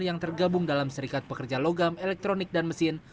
yang tergabung dalam serikat pekerja logam elektronik dan mesin